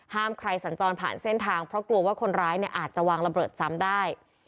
ห้ามใครสัญจรผ่านเส้นทางเพราะกลัวว่าคนร้ายเนี่ยอาจจะวางระเบิดซ้ำได้